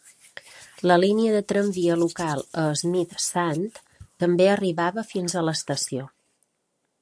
La línia de tramvia local a Smith Sant també arribava fins a l'estació.